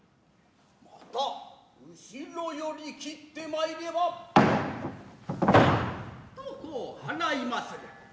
また後ろより切って参ればヤッとこう払いまする。